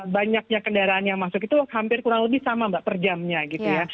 banyaknya kendaraan yang masuk itu hampir kurang lebih sama mbak per jamnya gitu ya